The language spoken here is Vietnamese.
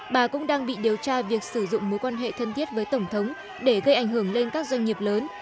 bà cũng đang bị điều tra việc sử dụng mối quan hệ thân thiết với tổng thống để gây ảnh hưởng lên các doanh nghiệp lớn